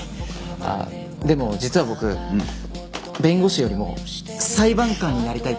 あっでも実は僕弁護士よりも裁判官になりたいって思ってるんです。